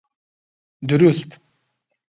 دروست!